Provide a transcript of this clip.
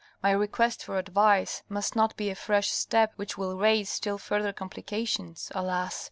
My request for advice must not be a fresh step which will raise still further complications. Alas